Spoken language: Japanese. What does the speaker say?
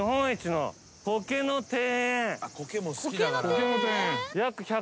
コケの庭園？